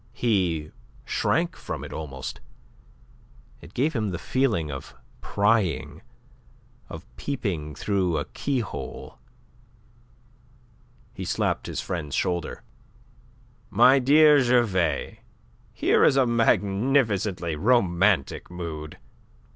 He shrank from it almost; it gave him the feeling of prying, of peeping through a keyhole. He slapped his friend's shoulder. "My dear Gervais, here is a magnificently romantic mood.